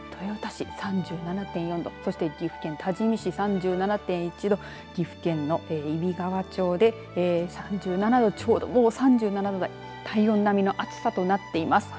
この時間までに高い所は愛知県豊田市３７．４度そして岐阜県多治見市３７．１度岐阜県揖斐川町で３７度ちょうどもう３７度台体温並みの暑さとなっています。